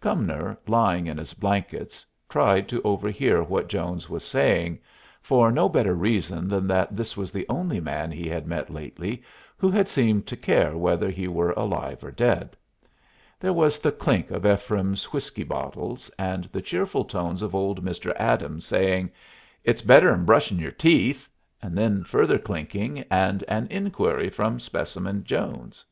Cumnor, lying in his blankets, tried to overhear what Jones was saying, for no better reason than that this was the only man he had met lately who had seemed to care whether he were alive or dead. There was the clink of Ephraim's whiskey bottles, and the cheerful tones of old Mr. Adams, saying, "It's better 'n brushin' yer teeth"; and then further clinking, and an inquiry from Specimen Jones.